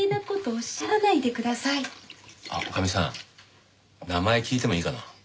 あっ女将さん名前聞いてもいいかな？